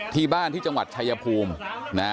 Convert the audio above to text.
ที่บ้านที่จังหวัดชายภูมิ